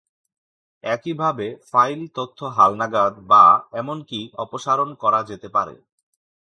একইভাবে, ফাইল তথ্য হালনাগাদ বা এমনকি অপসারণ করা যেতে পারে।